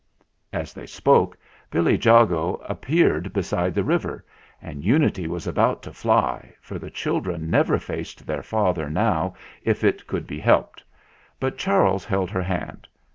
As they spoke Billy Jago appeared beside the river, and Unity was about to fly, for the chil dren never faced their father now if it could be helped. But Charles held her hand.